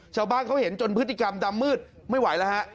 ชาวบ้านเขาเห็นจนพฤติกรรมดำมืดไม่ไหวแล้วฮะ